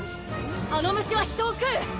あの虫は人を食う！